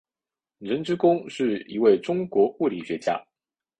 任之恭是一位中国物理学家。